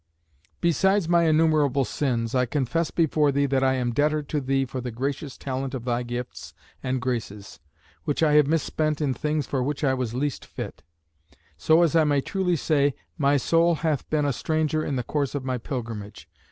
"Besides my innumerable sins, I confess before thee that I am debtor to thee for the gracious talent of thy gifts and graces, which I have misspent in things for which I was least fit; so as I may truly say, my soul hath been a stranger in the course of my pilgrimage.